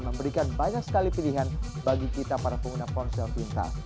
memberikan banyak sekali pilihan bagi kita para pengguna ponsel pintar